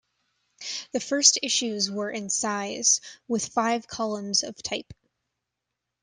The first issues were in size, with five columns of type.